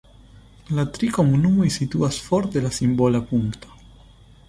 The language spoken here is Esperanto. La tri komunumoj situas for de la simbola punkto.